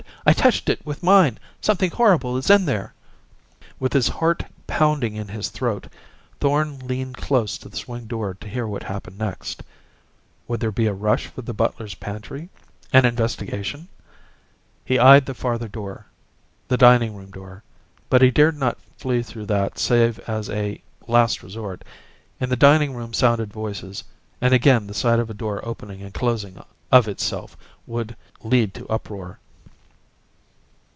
I touched it with mine! Something horrible is in there!" With his heart pounding in his throat, Thorn leaned close to the swing door to hear what happened next. Would there be a rush for the butler's pantry? An investigation? He eyed the farther door the dining room door. But he dared not flee through that save as a last resort. In the dining room sounded voices; and again the sight of a door opening and closing of itself would lead to uproar.